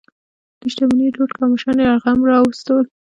دوی شتمني یې لوټ کړه او مشران یې یرغمل راوستل.